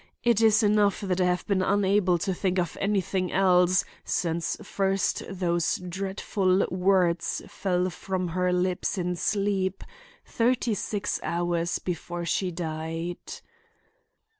It is enough that I have been unable to think of anything else since first those dreadful words fell front her lips in sleep, thirty six hours before she died."